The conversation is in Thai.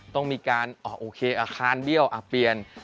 ต้องมีการโอเคอาคารเบี้ยวเปลี่ยน